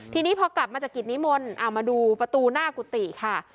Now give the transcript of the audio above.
ทีนี้พอกลับมาจากกิจนิมนต์เอามาดูประตูหน้ากุฏิค่ะ